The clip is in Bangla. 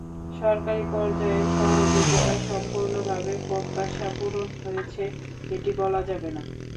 সরকারি পর্যায়ের সহযোগিতায় সম্পূর্ণভাবে প্রত্যাশা পূরণ হয়েছে, এটি বলা যাবে না।